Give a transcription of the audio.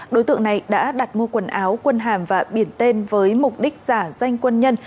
đối tượng này đã đặt mua quần áo quân hàm và biển tên với mục đích giả danh quân nhân